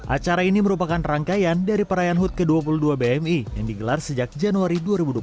acara ini merupakan rangkaian dari perayaan hut ke dua puluh dua bmi yang digelar sejak januari dua ribu dua puluh